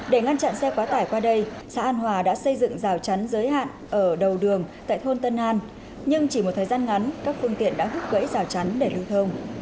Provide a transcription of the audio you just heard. để ngăn chặn xe quá tải qua đây xã an hòa đã xây dựng rào chắn giới hạn ở đầu đường tại thôn tân an nhưng chỉ một thời gian ngắn các phương tiện đã hút gãy rào chắn để lưu thông